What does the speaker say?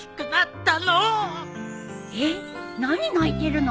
えっ何泣いてるの？